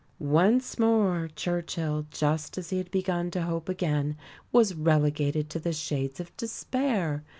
Once more Churchill, just as he had begun to hope again, was relegated to the shades of despair.